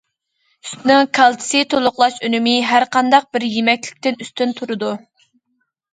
سۈتنىڭ كالتسىي تولۇقلاش ئۈنۈمى ھەر قانداق بىر يېمەكلىكتىن ئۈستۈن تۇرىدۇ.